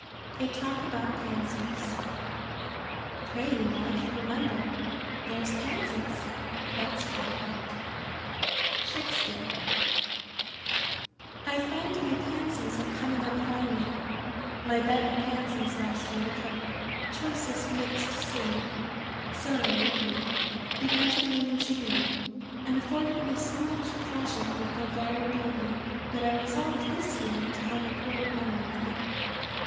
A Talk About Pansies. "Pray you love, remember, There's Pansies that's for thought." Shakespeare. I find my Pansies are coming up finely. My bed of Pansies last year from "choicest mixed seed" sown in April, began to bloom in June, and afforded me so much pleasure with their varied beauty, that I resolved this year to have a great many of them.